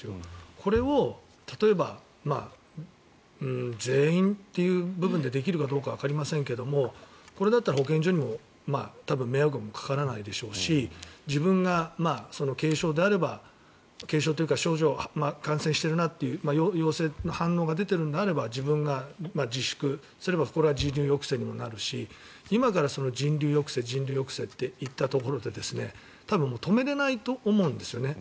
これを例えば全員という部分でできるかどうかはわかりませんけれどこれだったら保健所にも多分迷惑もかからないでしょうし自分が軽症であれば軽症というか症状が感染しているなと陽性の反応が出ているのであれば自分が自粛すればこれは人流抑制にもなるし今から人流抑制って言ったところで多分、もう止められないと思うんです。